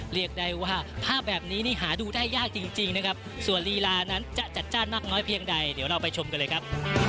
เรียกได้ว่าภาพแบบนี้นี่หาดูได้ยากจริงนะครับส่วนลีลานั้นจะจัดจ้านมากน้อยเพียงใดเดี๋ยวเราไปชมกันเลยครับ